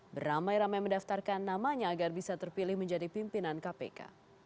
beramai ramai mendaftarkan namanya agar bisa terpilih menjadi pimpinan kpk